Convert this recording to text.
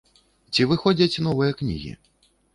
Ці выходзяць новыя кнігі?